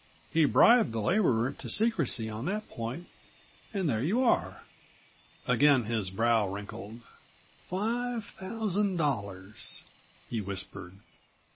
He bribed the laborer to secrecy on that point and there you are." Again his brow wrinkled. "Five thousand dollars!" he whispered.